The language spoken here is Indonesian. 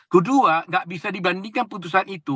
kedua nggak bisa dibandingkan putusan itu